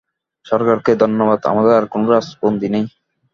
সরকারকে ধন্যবাদ, আমাদের আর কোনো রাজবন্দী নেই।